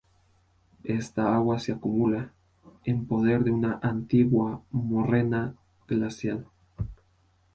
Esta agua se acumula, en poder de una antigua morrena glacial.